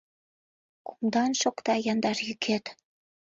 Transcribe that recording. Кумдан шокта яндар йӱкет.